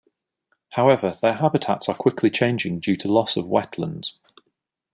However, their habitats are quickly changing due to loss of wetlands.